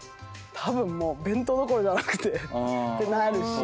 たぶん弁当どころじゃなくてってなるし。